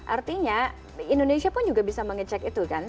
artinya indonesia pun juga bisa mengecek itu kan